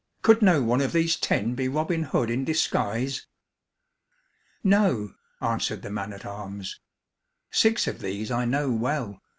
"Could no one of these ten be Robin Hood in disguise?" "No," answered the man at arms. "Six of these I know well.